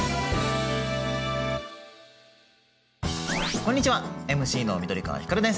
こんにちはＭＣの緑川光です。